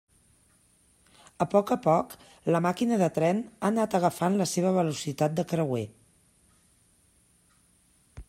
A poc a poc, la màquina de tren ha anat agafant la seva velocitat de creuer.